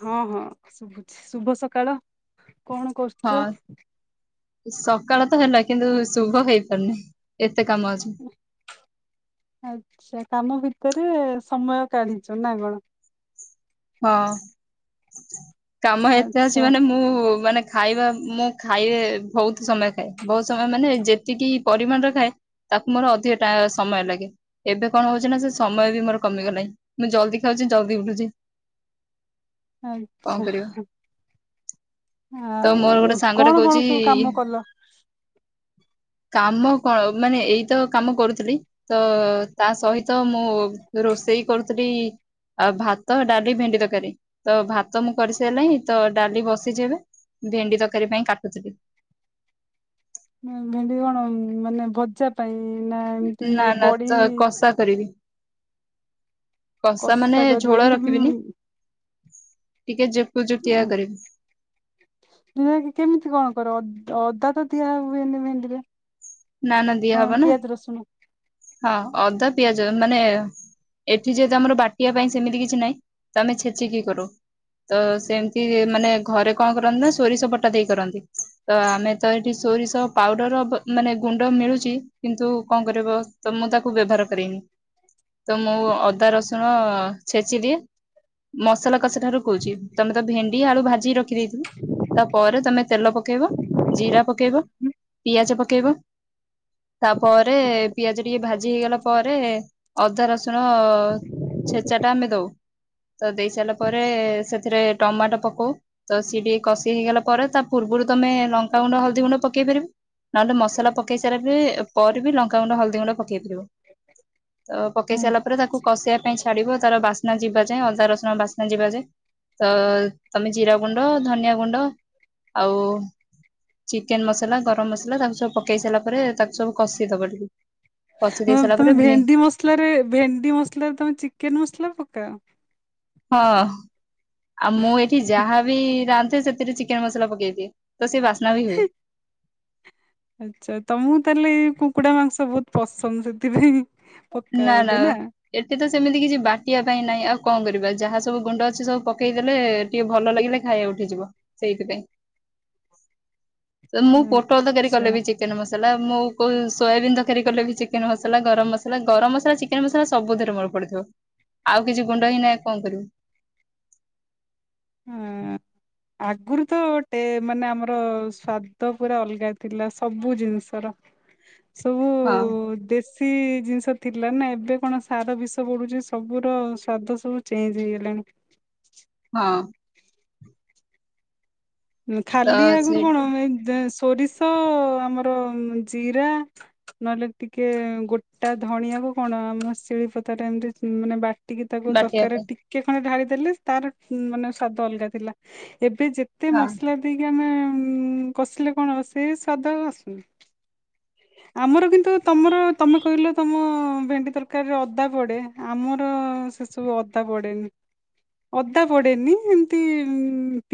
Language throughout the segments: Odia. ହଁ ହଁ ଶୁଭୁଛି ଶୁଭ ସକାଳ କଣ କରୁଛ? ହଁ ସକାଳ ତ ହେଲା କିନ୍ତୁ ଶୁଭ ହେଇପାରୁନି। କାମ ଅଛି। ଆଚ୍ଛା କାମ ଭିତରେ ଭିତରେ ସମୟ କାଢିଛ ନା କଣ? ହଁ କାମ ଏତେ ଅଛି ଆଚ୍ଛା। ମାନେ ମୁଁ ମାନେ ଖାଇବା ମୁଁ ଖାଇଲେ ବହୁତ ସମୟ ଖାଏ ବହୁତ ସମୟ ମାନେ ଯେତିକି ପରିମାଣରେ ଖାଏ। ତାକୁ ମୋର ଅଧିକ ଟା ସମୟ ଲାଗେ ଏବେ କଣ ହଉଛି ନା ସେ ସମୟ ବି ମୋର କମିଗଲାଣି ମୁଁ ଜଲଦି ଖାଉଛି ଜଲଦି ଉଠୁଛି। କଣ ଆଚ୍ଛା। କରିବା। ତ ମୋର ଗୋଟେ ଆଉ ସାଙ୍ଗଟେ କଣ କଣ ସବୁ କହୁଛି କାମ କଲ? କାମ କଣ ମାନେ ଏଇତ କାମ କରୁଥିଲି ତ ତା ସହିତ ମୁଁ ରୋଷେଇ କରୁଥିଲି ଭାତ ତ ଡାଲି, ଭେଣ୍ଡି ଦରକାରୀ ତ ଭାତ ମୁଁ କରିସାରାଣିି ତ ଡାଲି ବସିଛି ଏବେ। ଭେଣ୍ଡି ତରକାରୀ ପାଇଁ କାଟୁଥିଲି। ଭେଣ୍ଡି କଣ ମାନେ ଭଜା ପାଇଁ ନା ଏମତି ନା ନା ବଡି ତ କଷା କରିବି କଷା ମାନେ କରିବ ଝୋଳ ଏମିତି ରଖିବିନି। ଟିକେ ଜେକୁ ଜୁଟିଆ ଆ କରିବି ତମେ କେମିତି କଣ କର ଅଦା ତ ଦିଆ ହୁଏନି ଭେଣ୍ଡିରେ। ନା ନା ଦିଆ ହଁ ହବ ନା, ପିଆଜ ରସୁଣ। ହଁ ଅଦା ପିଆଜ। ମାନେ ଏଠି ଯେହେତୁ ଆମର ବାଟିବା ପାଇଁ ସେମିତି କିଛି ନାହିଁ, ତ ଆମେ ଛେଚିକି କରୁ। ତ ସେମିତି ମାନେ ଘରେ କଣ କରନ୍ତି ନା ସୋରିଷବଟା ଦେଇ କରନ୍ତି ତ ଆମେ ତ ଏଠି ସୋରିଷ ପାଉଡ଼ର ବ ମାନେ ଗୁଣ୍ଡ ମିଳୁଛି କିନ୍ତୁ କଣ କରିବ ତ ମୁଁ ତାକୁ ବ୍ୟବହାର କରେନି। ତ ମୁଁ ଅଦା ରସୁଣ ଛେଚିଦିଏ। ମସଲା କଷା ଠାରୁ କହୁଛି, ତମେ ତ ଭେଣ୍ଡି ଆଳୁ ଭାଜିି ରଖିଦେଇଥିବ। ତାପରେ ତମେ ତେଲ ପକେଇବ ଜିରା ପକେଇବ ପିଆଜ ପକେଇବ। ତାପରେ ପିଆଜ ଟିକେ ଭାଜି ହେଇଗଲା ପରେ ଅଦା ରସୁଣ ଛେଚାଟା ଆମେ ଦଉ। ତ ଦେଇ ସାରିଲା ପରେ ସେଥିରେ ଟମାଟୋ ପକଉ ତ ସିଏ ଟିକେ କଷି ହେଇଗଲା ପରେ ତା ପୂର୍ବ୍ ପୂର୍ବରୁ ତମେ ଲଙ୍କାଗୁଣ୍ଡ ହଳଦୀ ଗୁଣ୍ଡ ପକେଇ ପାରିବ। ନହେଲେ ମସଲା ପକେଇ ସାରିଲା ପରେ ବି ଲଙ୍କାଗୁଣ୍ଡ ହଳଦୀ ଗୁଣ୍ଡ ପକେଇ ପାରିବ। ତ ପକେଇ ସାରିଲା ପରେ ତାକୁ କଷିବା ପାଇଁ ଛାଡିବ, ତାର ବାସ୍ନା ଯିବା ଯାଏଁ ଅଦା ରସୁଣ ବାସ୍ନା ଯିବା ଯାଏଁ। ତ ତମେ ଜିରା ଗୁଣ୍ଡ ଧନିଆ ଗୁଣ୍ଡ ଆଉ ଚିକେନ ମସଲା ଗରମ ମସଲା ତାକୁ ସବୁ ପକେଇ ସାରିଲା ପରେ ତାକୁ ସବୁ କଷିଦବ ଟିକେ। କଷି ଦେଇ ଉଁ ସାରିଲା ତମେ ପରେ ଭେ ଭେଣ୍ଡି ମସଲାରେ, ଭେଣ୍ଡି ମସଲାରେ ତମେ ଚିକେନ ମସଲା ପକାଅ? ହଁ, ଆଉ ମୁଁ ଏଠି ଯାହାବି ରାନ୍ଧେ ସେଥିରେ ଚିକେନ ମସଲା ପକେଇଦିଏ। ତ ସେ ବାସନା ବି ହୁଏ। ଆଚ୍ଛା ତମକୁ ତାହେଲେ ଏ କୁକୁଡା ମାଂସ ବହୁତ ପସନ୍ଦ ସେଥିପାଇଁ ପକାଅ ନା ନା ବୋଧେ ଏଠି ତ ସେମିତି କିଛି ବାଟିବା ପାଇଁ ନାହିଁ ଆଉ କଣ କରିବା ଯାହା ସବୁ ଗୁଣ୍ଡ ଅଛି ସବୁ ପକେଇଦେଲେ ଟିକେ ଭଲ ଲାଗିଲେ ଖାଇବା ଉଠିଯିବ, ସେଇଥିପାଇଁ ତ ମୁଁ ପୋଟଳ ତରକାରୀ ଆଚ୍ଛା କଲେ ବି ଚିକେନ ମସଲା ମୁଁ କୋଉ ସୋୟାବିନ୍ ତରକାରୀ କଲେ ବି ଚିକେନ ମସଲା ଗରମ ମସ୍ [inaudible] ଗରମ ମସଲା ଚିକେନ ମସଲା ସବୁଥିରେ ମୋର ପଡିଥିବ ଆଉ କିଛି ଗୁଣ୍ଡ ହିଁ ନାଇଁ କଣ କରିବୁ। [unintelligible] [inaudible] ହୁଁ ଆଗୁରୁ ତ ଗୋଟେ ମାନେ ଆମର ସ୍ଵାଦ ପୁରା ଅଲଗା ଥିଲା ସବୁ ଜିନିଷର। ହ [inaudible] ସବୁ ଦେଶ୍ ଶୀ ଜିନିଷ ଥିଲା ନା ଏବେ କଣ ସାର ବିଷ ପଡୁଛି ସବୁର ସ୍ଵାଦ ସବୁ ଚେଞ୍ଜ୍ ହେଇଗଲାଣି। ହଁ। ତ ଖାଲି ଆଗରୁ ସେଇଠି କଣ ସୋରିଷ ଆମର ଜିରା ନହେଲେ ଟିକେ ଗୋଟା ଧଣିଆକୁ କଣ ଆମ ଶିଳିପତାଟାରେ ଏମିତି ମାନେ ବା ଟିକେ ତାକୁ ବାଟିବା ତରକାରୀରେ ପାଇଁ ଟିକେ ଖଣ୍ଡେ ଢାଳି ଦେେଲେ ତାର ମାନେ ସ୍ଵାଦ ଅଲଗା ଥିଲା ଏବେ ଯେ ଯେତେ ହଁ ମସଲା ଦେଇକି ଆମେ କଷିଲେ କଣ ହେବ ସେ ସ୍ଵାଦ ଆଉ ଆସୁନି। ଆମର କିନ୍ତୁ ତମର ତମେ କହିଲ ତମ ଭେଣ୍ଡି ତରକାରୀରେ ଅଦା ପଡେ ଆମର ହଁ ସେ ସବୁ ଅଦା ପଡେନି। ଅଦା ପଡେନି ଏମତି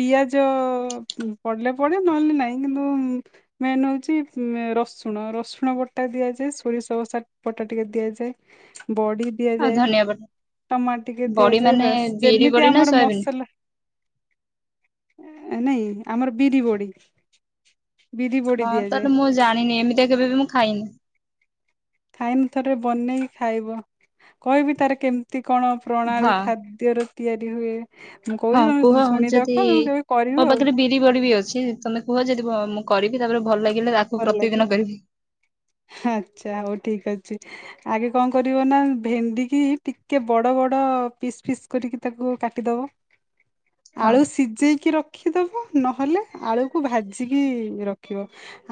ପିଆଜ ପଡିଲେ ପଡେ ନହେଲେ ନା ନାଇଁ କିନ୍ତୁ ମେନ୍ ହେଉଚି ରସ୍ ରୁଣ, ରସୁଣ ବଟା ଦିଆଯାଏ ସୋରିଷ ବସା ବଟା ଟିକେ ଦିଆଯାଏ। ବଡି ଆଉ ଦିଆଯାଏ। ଧନିଆ ପତ୍ର ଟମାଟ ଟିକେ ବଡି ଦିଆଯାଏ ମାନେ ବାସ୍ ବିରି ଯେମିତି ବଡି ନା ଆମର ସୋୟାବିନ୍ ମସଲା ନାଇଁ ଆମର ବିରି ବଡି ବିରି ବଡି ହଁ ଦିଆଯାଏ ତାହେଲେ ମୁଁ ଜାଣିନି ଏମିତିଆ କେବେ ବି ମୁଁ ଖାଇନି। ଖାଇନି ଥରେ ବନେଇକି ଖାଇବ କହିବି ତାର କେମିତି କଣ ପ୍ରଣାଳୀ ହଁ ଖାଦ୍ୟର ତିଆରି ହୁଏ। ମୁଁ ହଁ କହୁଛି କୁହ ତମେ ଶୁଣିଦବ ଯଦି ତମେ କେବେ ମୋ କରିବ ଆଉ ପାଖରେ ବିରି ବଡି ବି ଅଛି ତମେ କୁହ ଯଦି ମୁଁ କରିବି। [inaudible] ତାପରେ ଭଲ ଲାଗିଲେ ତାକୁ ଭଲ ପ୍ରତି ଲାଗିବ ଦିନ କରିବି। ଆଚ୍ଛା ହଉ ଠିକ୍ ଅଛି। ଆଗେ କଣ କରିବ ନା ଭେଣ୍ଡିକି ଟିକେ ବଡ ବଡ ପିସ୍ ପିସ୍ କରିକି ତାକୁ କାଟିଦବ। [inaudible] ହଁ ଆଳୁ ସିଜେଇକି ରଖିଦବ ନହେଲେ ଆଳୁକୁ ଭାଜିକି ରଖିବ।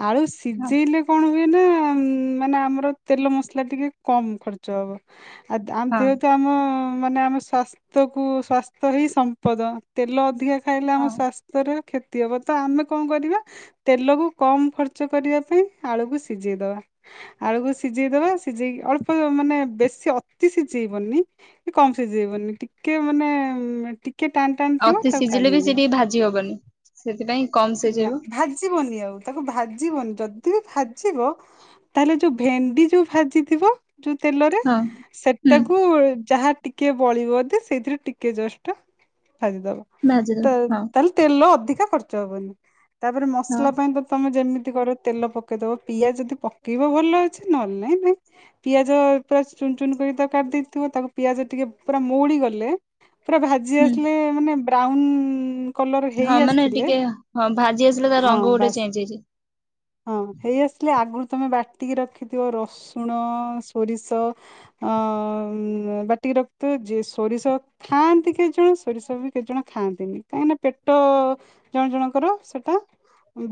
ଆଳୁ ହଁ ସିଜେଇଲେ କଣ ହୁଏ ନା ମାନେ ଆମର ତେଲ ମସଲା ଟିକେ କମ ଖର୍ଚ୍ଚ ହବ ଆ [unintelligible] ହଁ ଯେହେତୁ ଆମ ମାନେ ଆମ ସ୍ୱାସ୍ଥ୍ୟକୁ ସ୍ୱାସ୍ଥ୍ୟ ହିଁ ସମ୍ପଦ ତେଲ ଅଧିକା ଖାଇଲେ ଆମ ହଁ ସ୍ଵାସ୍ଥ୍ୟର କ୍ଷତି ହବ ତ ଆମେ କଣ କରିବା ତେଲକୁ କମ ଖର୍ଚ୍ଚ କରିବା ପାଇଁ ଆଳୁକୁ ସିଜେଇଦବା ଆଳୁକୁ ସିଜେଇ ଦବା ସିଝେଇ ଅଳ୍ପ ମାନେ ବେଶୀ ଅତି ସିଜେଇବନି କି କମ ସିଜେଇବନି ଟିକେ ମାନେ ଟିକ କେ ଟାନ ଟାାନ ଥିବ ଅତି ତାକୁ ସିଝିଲେ କାଢି ବି ସେ ଆଣିବ। ଟିକେ ଭାଜି ହବନି। ସେଥିପାଇଁ କମ ନା ସିଝେଇବ ଭାଜିବନି ଆଉ ତାକୁ ଭାଜିବନି ଯଦି ବି ଭାଜିବ ତାହେଲେ ଯୋଉ ଭେଣ୍ଡି ଯୋଉ ଭାଜିଥିବ ଯୋଉ ତେଲରେ ହଁ ହୁଁ ସେଟାକୁ ଯାହା ଟିକେ ବଳିବ ବୋଧେ ସେଇଥିରେ ଟିକେ ଜଷ୍ଟ ଭାଜିଦବ ତ ଭାଜିଦବ ହଁ ତାହେଲେ ତେଲ ଅଧିକା ଖର୍ଚ୍ଚ ହବନି। ତାପରେ ହଁ ମସଲା ପାଇଁ ତ ତମେ ଯେମି ତେଲ ପକେଇଦବ ପିଆଜ ଯଦି ପକେଇବ ଭଲ ଅଛି ନହେଲେ ନାଇଁ ବି ପିଆଜ ପୁରା ଚୁ ଚୁନ ଚୁନ କରି ତାକୁ କାଟି ଦେଇଥିବ ତାପରେ ପିଆଜ ଟିକେ ପୁରା ମଉଳି ଗଲେ ପୁରା ଭାଜି ହୁଁ ଆସିଲେ ମାନେ ବ୍ରାଉନ କଲର ହଁ ହେଇ ମାନେ ଆସିଥିଲେ ଟିକେ ହଁ ଭାଜି ଆସିଲେ ତା ହଁ ରଙ୍ଗ ଗୋଟେ ବାସ୍ ଚେଞ୍ଜ ହେଇଯାଏ। ହଁ ହେଇଆସିଲେ ଆଗରୁ ତମେ ବାଟିକି ରଖିଥିବ ରସୁଣ ସୋରିଷ ଅ ଅ ବାଟିକି ରକଥିବ ଯିଏ ସୋରିଷ ଖାଆନ୍ତି କେତ୍ ଜଣ ସୋରିଷ ବି କେତ୍ ଜଣ ଖାଆନ୍ତିନି କାହିଁକିନା ପେଟ ଟ ଜଣେ ଜଣଙ୍କର ସେଟା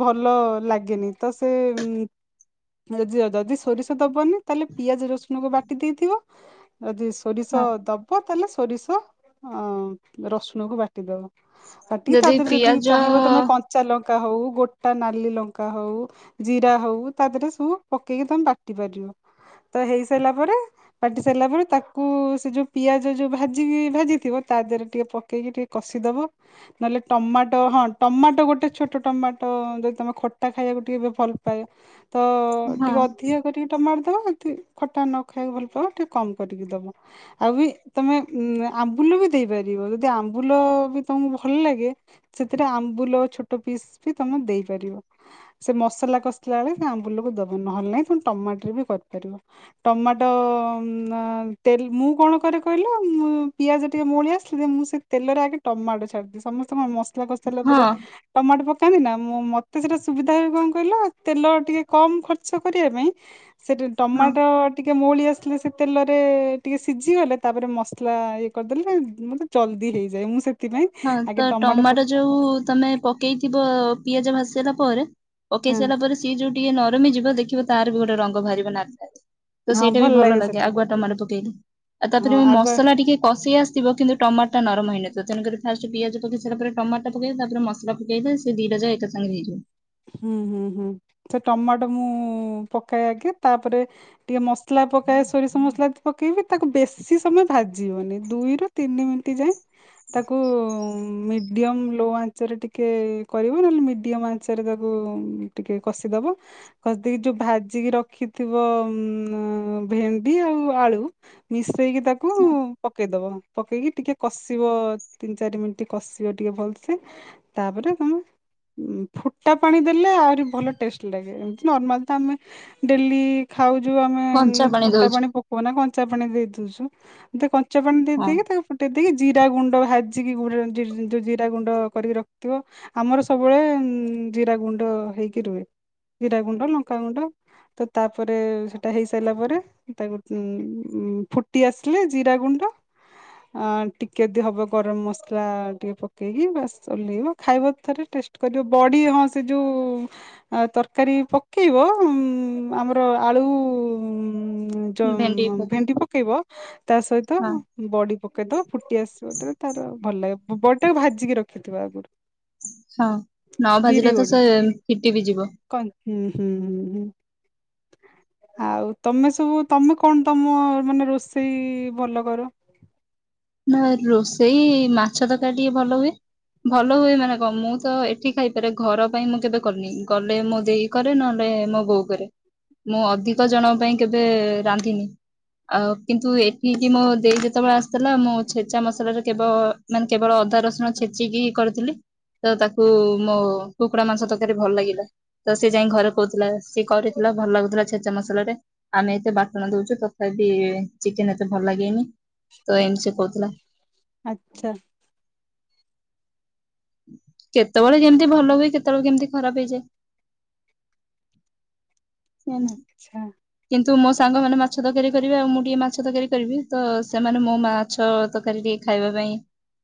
ଭଲ ଲାଗେନି ତ ସେ ଉଁ ଯି ଯଦି ସୋରିଷ ଦବନି ତାହେଲେ ପିଆଜ ରସୁଣକୁ ବାଟି ଦେଇଥିବ ଯଦି ସୋରିଷ ହଁ ଦବ ତାହେଲେ ସୋରିଷ ଅ ରସୁଣକୁ ବାଟିଦବ। ବାଟିକି ତା ଦେହରେ ଯଦି ଚାହିଁବ ତମେ କଞ୍ଚା ଲ ଙ୍କା ହଉ ଗୋଟା ନାଲି ଲଙ୍କା ହଉ ଜିରା ହଉ ତା ଦେହରେ ସବୁ ପକେଇକି ତମେ ବାଟି ପାରି ହ ତ ହେଇସାରିଲା ପରେ ବାଟିସାରିଲା ପରେ ତାକୁ ସେ ଯୋଉ ପିଆଜ ଯୋଉ ଭାଜିିକି ଭାଜିଥିବ ତା ଦେହରେ ଟିକେ ପକେଇକି ଟିକେ କଷିଦବ ନହେଲେ ଟମାଟ ଟ ହଁ ଟମାଟୋ ଗୋଟେ ଛୋଟ ଟମାଟୋ ଯଦି ତମେ ଖଟା ଖାଇବାକୁ ଟିକେ ବ୍ ଭଲ ପାଇବ ତ ହଁ ଟିକେ ଅଧିକା କରି ଟମାଟ ଦବ ଯଦି ଖଟା ନ ଖାଇବାକୁ ଭଲପାଅ ଟିକେ କମ କରିକି ଦବ, ଆଉ ବି ତମେ ଉଁ ଆମ୍ବୁଲ ବି ଦେଇପାରିବ, ଯଦି ଆମ୍ବୁଲ ବି ତମକୁ ଭଲ ଲାଗେ ସେଥିରେ ଆମ୍ବୁଲ ଛୋଟ ପିସ୍ ବି ତମେ ଦେଇପାରିବ। ସେ ମସଲା କଷିଲା ବେଳେ ସେ ଆମ୍ବୁଲକୁ ଦବୁ ନହେଲେ ନାହିଁ ଫୁଣି ଟମାଟରେ ବି କରିପାରିବ। ଟମାଟୋ ନା ତେଲ୍ ମୁଁ କଣ କଣ କରେ କହିଲ ମୁଁ ପିଆଜ ଟିକେ ମଉଳି ଆସିଲେ ମୁଁ ସେ ତେଲରେ ଆଗେ ଟମାଟୋ ଛାଡ଼ିଦି ଦିଏ ସମସ୍ତେଙ୍କ ମସ୍ ଲା କଷି ସରିଲା ହଁ ପରେ ଟମାଟୋ ପ କାନ୍ତି ନା ମୁଁ ମତେ ସେଟା ସୁବିଧା ହୁଏ କଣ କହିଲ ତେଲ ଟିକେ କମ ଖର୍ଚ୍ଚ କରିବା ପାଇଁ ସେଠି ହଁ ଟମାଟୋ ଟିକ କେ ମଉଳି ଆସିଲେ ସେ ତେଲରେ ଟିକେ ସିଝିଗଲେ ତାପରେ ମସଲା ଇଏ କରିଦେଲେ ମୋତେ ଜଲଦି ହେଇଯାଏ ମୁଁ ସେଥିପାଇଁ ହଁ ତ ଆଗେ ଟମାଟୋ ପ ଯୋଉ ତମେ ପକେଇଥିବ ପିଆଜ ଭାଜି ସାଇଲା ପରେ ପକେଇ ହଁ ସାଇଲା ପରେ ସିଏ ଯୋଉ ଟିକ ନ ରମି ଯିବ ଦେଖିବ ତାର ବି ଗୋଟେ ରଙ୍ଗ ବାହାରିବ ନାଲି ନାଲି ତ ସେଇଟା ବି ଭଲ ଲାଗେ ଆଗୁଆ ଟମାଟ ପକେଇଲେ ଆଉ ହଁ ତାପରେ ଆଗୁଆ ମସଲା ଟିକେ କଷି ଆସ ଥିବ କିନ୍ତୁ ଟମାଟା ନରମ ହେଇନଥିବ ତେଣୁକରି ଫାଷ୍ଟ ପିଆଜ ପକେଇ ସାଇଲା ପରେ ଟମାଟ ଟା ପକେଇବା ତାପରେ ମସଲା ପକେଇଲେ ସେ ଦିଟା ଯା ଏକା ସାଙ୍ଗରେ ହେଇଯିବ। ହୁଁ ହୁଁ ହୁଁ ସେ ଟମାଟୋ ମୁଁ ପକାଏ ଆଗେ ତାପରେ ଟିକେ ମସଲା ପକାଏ ସୋରିଷ ମସଲା ପକେଇବି ତାକୁ ବେଶୀ ସମୟ ଭାଜିବନି ଦୁଇରୁୁ ତିନି ମିନିଟ ଯାଏ ତାକୁ ମିଡିୟମ ଲୋ ଆଞ୍ଚରେ ଟିକେ କରିବ ନହେଲେ ମିଡିୟମ ଆଁ ସେରେ ତାକୁ ଟିକେ କଷିଦବ କଷି ଦେଇକି ଯୋଉ ଭାଜିକି ରଖିଥିବ ଉ ଭେଣ୍ଡି ଆଉ ଆଳୁ ମିସେଇକି ତାକୁ ପକେଇଦବ। ପକେଇକି ଟିକେ କଷିବ ତିନି ଚାରି ମିନିଟ୍ କଷିବ ଟିକେ ଭଲସେ ତାପରେ କଣ ଉଁ। ଫୁଟା ପାଣି ଦେଲେ ଆହୁରି ଭଲ ଟେଷ୍ଟ ଲାଗେ, ଏମିତି ନର୍ମାଲ ତ ଆମେ ଡେଲି ଖାଉଛୁ ଆମେ କଞ୍ଚା ଫୁଟା ଦଉଛୁ ପାଣି ପକଉନା କଞ୍ଚା ପାଣି ଦେଇ ଦଉଛୁ। ଦେ ଞ୍ଚଆ ପାଣି ହଁ ଦେଇକି ତାକୁ ଫୁଟେଇ ଦେଇକି ଜିରା ଗୁଣ୍ଡ ଗ ଭାଜିକି ଜିରା ଗୁଣ୍ଡ କରିକି ରଖିଥିବ ଆମର ସବୁବେଳେ ଜିରା ଗୁଣ୍ଡ ହେଇକି ରୁହେ। ଜିରା ଗୁଣ୍ଡ, ଲଙ୍କାଗୁଣ୍ଡ ତ ତାପରେ ସେଟା ହେଇସାରିଲା ପରେ ତାକୁ ଉ ଫୁଟି ଆସିଲେ ଜିରା ଗୁଣ୍ଡ ଆଁ ଟିକେ ଦି ହବ ଗରମ ମସଲା ଟିକେ ପକେଇକି ବାସ୍ ଓହ୍ଲେଇବ ଖାଇବ ଥରେ ଟେ ଟେଷ୍ଟ କରିବ୍। ବଡି ହଁ ସେ ଯୋଉ ତରକାରୀ ପକେଇବ ଉଁମ ଆମର ଆଳୁ ଭେଣ୍ଡି ଜଉ ପକେଇ ଭେଣ୍ଡି ପକେଇବ ତା ସହିତ ହଁ ବଡି ପକେଇଦବ ଫୁଟି ଆସିବ ଯେତେବେଳେ ତା ତାର ଭଲ ଲାଗେ ବଡିଟାକୁ ଭାଜିକି ରଖିିବ ଆଗରୁ। ହଁ। ନ ଭାଜିଲେ ବିରି ତ ବଡି ସେ ଫିଟି ବି ଯିବ। ହୁଁ ହୁଁ ହୁଁ ହୁଁ ଆଉ ତମେ ସବୁ ତମେ କଣ ତମ ମାନେ ରୋଷେଇ ଭଲ କର? ନା ରୋଷେଇ ମାଛ ତରକାରି ଟିକେ ଭଲ ହୁଏ। ଭଲ ହୁଏ ମାନେ କଣ ମୁଁ ତ ଏଠି ଖାଇପାରେ ଘର ପାଇଁ ମୁଁ କେବେ କର୍ନି ଗଲେ ମୋ ଦେଇ କରେ ନହେଲେ ଏ ମୋ ବୋଉ କରେ ମୁଁ ଅଧିକ ଜଣଙ୍କ ପାଇଁ କେବେ ରାନ୍ଧିନି। ଆଉ କିନ୍ତୁ ଏଠିିକି ମୋ ଦେଇ ଯେତେବେଳେ ଆସିଥିଲା ମୁଁ ଛେଚା ମସଲାରେ କେବ ମାନେ କେବଳ ଅଦା ରସୁଣ ଛେଚିକି କରିଥିଲି। ତ ତାକୁ ମୋ କୁକୁଡା ମାଂସ ତରକାରୀ ଭଲ ଲାଗିଲା। ତ ସେ ଯାଇ ଘରେ କହୁଥିଲା ସିଏ କରିଥିଲା। ଭଲ ଲାଗୁଥିଲା ଛେଚା ମସଲା ରେ ଆମେ ଏତେ ବାଟଣ ଦଉଛୁ ତଥାପି ଚିକେନ ଏତେ ଭଲ ଲାଗେନି। ତ ଏମ୍ ସେ କହୁଥିଲା। ଆଚ୍ଛା। କେତେବେଳେ କେମିତି ଭଲ ହୁଏ କେତେବେଳେ କେମତି ଖରାପ ହେଇଯାଏ। ଆଚ୍ଛା। ତୁ ମୋ ସାଙ୍ଗମାନେ ମାଛ ତରକାରୀ କରିବେ ଆଉ ମୁଁ ଟିକେ ମାଛ ତରକାରୀ କରିବି ତ ସେମାନେ ମୋ ମାଛ ତରକାରୀ ଟିକେ ଖାଇବା ପାଇଁ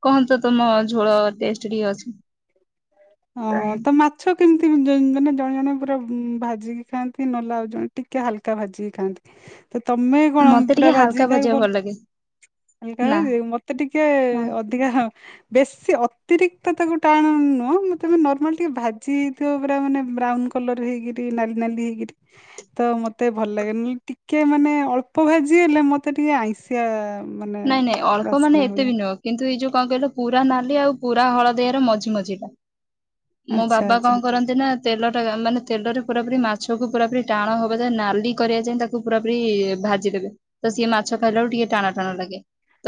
କହନ୍ତୁ ତମ ଝୋଳ ଟେଷ୍ଟ ଟିକେ ଅଛି। ହଁ ତ ମାଛ କେମିତି ମାନେ ଜଣେ ଜଣେ ପୁରା ଭାଜିକି ଖାଆନ୍ତି ନହେଲେ ଆଉ ଜଣେ ଟିକେ ହାଲକା ଭାଜିକି ଖାଆନ୍ତି। ତ ତମେ କଣ ମତେ ପୁରା ଟିକେ ହାଲକା ଭାଜିକି ଭଜା ଖାଇବାକୁ ଭଲ ଲାଗେ ଭଲ ନା [unintelligible] ମତେ ଟିକେ ହଁ ଅଧିକା ବେଶୀ ଅତିରିକ୍ତ ତ ତାକୁ ଟାଣ ନୁହଁ। ତମେ ନର୍ମାଲ ଟିକେ ଭାଜି ହେଇଥିବ ପୁରା ମାନେ ବ୍ରାଉନ କଲର ହେଇକିରି ନାଲି ନାଲି ହେଇକିରି ତ ମତେ ଭଲ ଲାଗେ ନହେଲେ ଟିକେ ମାନେ ଅଳ୍ପ ଭାଜି ହେଲେ ମତେ ଟିକେ ଆଇଁଷିଆ ମାନେ ନାଇଁ ନାଇଁ ଅଳ୍ପ ମାନେ ବାସ୍ନା ହୁଏ। ଏତେ ବି ନୁହଁ କିନ୍ତୁ ଏଇ ଯୋଉ କଣ କହିଲ ପୁରା ନାଲି ଆଉ ପୁରା ହଳଦିଆର ମଝି ମଝିିଟା ମୋ ଆଚ୍ଛା ବାପା ଆଚ୍ଛା କଣ କରନ୍ତି ନା ତେଲ ଟା ମାନେ ତେଲରେ ପୁରା ପୁରି ମାଛକୁ ପୁରାପରି ଟାଣ ହବା ଯାଏ ନାଲି କରିବା ଯାଏ ତାକୁ ପୁରାପୁରି ଭାଜିଦେବେ। ସିଏ ମାଛ ଖାଇଲାବେଳକୁ ଟିକେ ଟାଣୁଆ ଟାଣୁଆ ଲାଗେ।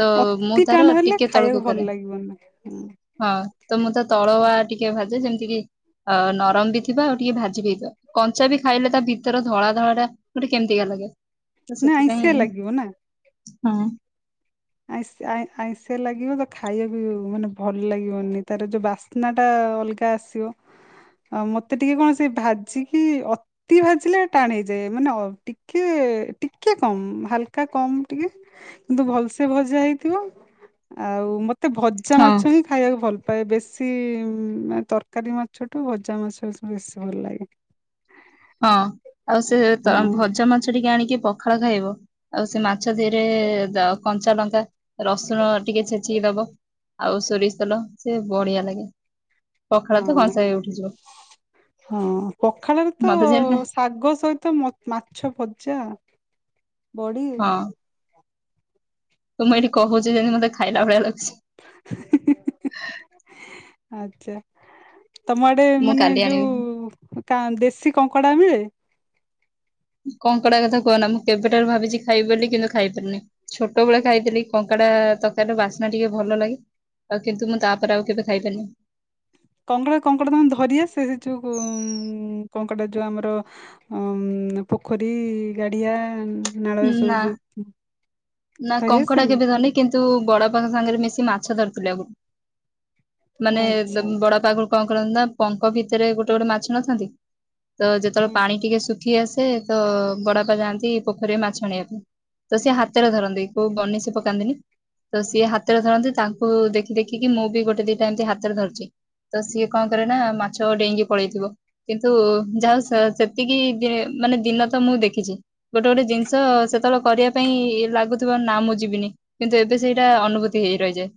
ତ ମୁଁ ଅତି ତାର ଟାଣ ହେଲେ ଟିକେ ତଳକୁ ଖାଇବାକୁ ଭଲ କରେ ଲାଗିବନି ହୁଁ, ହଁ। ତ ମୁଁ ତ ତଳଆ ଟିକେ ଭାଜେ ଯେମିତି କି ଅ ନରମ ବି ଥିବ ଆଉ ଟିକେ ଭାଜି ବି ହେଇଥିବ କଞ୍ଚା ବି ଖାଇଲେ ତା ଭିତର ଧଳା ଧଳା ଟା ଗୋଟେ କେମିତିକା ଲାଗେ। ତ ନା ସେଥିପାଇଁ ଆଇଁଷିଆ ଲାଗିବ ନା। ହଁ। ଆଇ ଆଇଁଶିଆ ଲାଗିବ ତ ଖାଇବା ବି ମାନେ ଭଲ ଲାଗିବନି ତାର ଯୋଉ ବାସ୍ନା ଟା ଅଲଗା ଆସିବ। ଆଉ ମତେ ଟିକେ କଣ ସେ ଭାଜିକି ଅତି ଭାଜିଲେ ଟାଣ ହେଇଯାଏ ମାନେ ଟିକେ ଟିକେ କମ ହାଲକା କମ୍ ଟିକେ କିନ୍ତୁ ଭଲ ସେ ତେ ଭଜା ହେଇଥିବ ଆଉ ମତେ ଭଜା ହଁ। ମାଛ ହିଁ ଖାଇବାକୁ ଭଲ ପାଏ ବେଶି ମାନେ ତରକାରୀ ମାଛ ଟୁ ଭଜା ମାଛ ସବୁ ବେଶି ଭଲ ଲାଗେ। ହଁ ଆଉ ସେ ତ ହଁ ଭଜା ମାଛ ଟିକେ ଆଣିକି ପଖାଳ ଖାଇବ ଆଉ ସେ ମା ମାଛ ଧିରେ ଦ କଞ୍ଚା ଲଙ୍କା ରସୁଣ ଟିକେ ଛେଚିକି ଦବ ଆଉ ସୋରିଷ ତେଲ ସେ ବଢିଆ ଲାଗେ। ପଖାଳ ତ କଂସାଏ ହଁ। ଉଠିଯିବ। ହଁ ପଖାଳରେ ତ ମତେ ଯେ ହଁ ଶାଗ ସହିତ ମ ମାଛ ଭଜା। ବଡ଼ିି। ତ ମୁଁ ଏଇଠି କହୁଚି ଯେମିତି ମତେ ଖାଇଲା ଭଳିଆ ଲାଗୁଛି। ହିଁ ହିଁ ହିଁ ଆଚ୍ଛା। ତମ ଆଡେ ମୁଁ ମାନେ କାଲି ଆଣିବି ଯୋଉ କା ଦେଶୀ କଙ୍କଡା ମିଳେ। କଙ୍କଡା କଥା କୁହନା ମୁଁ କେବେଠାରୁ ଭାବିଛି ଖାଇବ ବୋଲି କିନ୍ତୁ ଖାଇପାରିନି ଛୋଟବେଳେ ଖାଇଥିଲି କଙ୍କଡା ତରକାରୀ ବାସ୍ନା ଟିକେ ଭଲ ଲାଗେ ଆଉ କିନ୍ତୁ ମୁଁ ତାପରେ ଆଉ କେବେ ଖାଇପାରନି। କଙ୍କଡା କଙ୍କଡା ତମେ ଧରିଆସେ ଯୋଉ କଙ୍କଡା ଯୋଉ ଆମର ପୋଖରୀ, ଗାଡିଆ, ନାଳ ଏ ନା ସବୁ ଯୁ ନା କଙ୍କଡା କେବେ ଧରିନି କିନ୍ତୁ ବଡ ଅପାଙ୍କ ସାଙ୍ଗରେ ମିଶି ମାଛ ଧରିଥିଲେ ଆଗରୁ ମାନେ ଆଚ୍ଛା ବଡ ବାପା ଆଗରୁ କଣ କରନ୍ତି ନା ପଙ୍କ ଭିତରେ ଗୋଟେ ଗୋଟେ ମାଛ ନଥାନ୍ତି ତ ଯେତେବେଳେ ହୁଁ ପାଣି ଟିକେ ଶୁଖି ଆସେ ସେ ତ ବଡବାପା ଯାଆନ୍ତି ପୋଖରୀରେ ମାଛ ଆଣିବା ପାଇଁ ତ ସେ ହାତ ହାତରେ ଧରନ୍ତି କୋଉ ବନିଶୀ ପକାନ୍ତିନି। ତ ସିଏ ହାତରେ ଧରନ୍ତି ତାଙ୍କୁ ଦେଖି ଦେଖିକି ମୁଁ ବି ଗୋଟେ ଦିଟା ଏମିତି ହାତରେ ଧରିଚି। ତ ସିଏ କଣ କରେ ନା ମାଛ ଡେଇଙ୍ଗି ପଳେଇଥିବ କିନ୍ତୁ ଯାହା ଯେତିକି ମାନେ ଦିନ ତ ମୁଁ ଦେଖିଛି ଗୋଟେ ଗୋଟେ ଜିନିଷ ସେତେବେଳେ କରିବା ପାଇଁ ଲାଗୁଥିବ ନା ମୁଁ ଯିବିନି କିନ୍ତୁ ଏବେ ସେଇଟା ଅନୁଭୂତି ହେଇ ରହିଯାଏ।